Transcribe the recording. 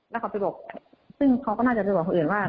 แล้วเขาไปบอกซึ่งเขาก็น่าจะไปบอกคนอื่นว่า